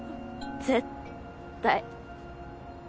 絶対。